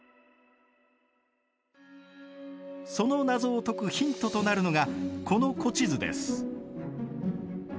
その謎を解くヒントとなるのがこの古地図です。